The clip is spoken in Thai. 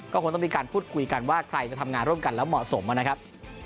ก็คงต้องมีการพูดคุยกันว่าใครจะทำงานร่วมกันแล้วเหมาะสมนะครับ